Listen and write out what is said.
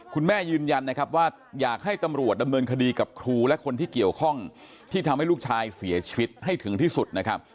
ยืนยันนะครับว่าอยากให้ตำรวจดำเนินคดีกับครูและคนที่เกี่ยวข้องที่ทำให้ลูกชายเสียชีวิตให้ถึงที่สุดนะครับ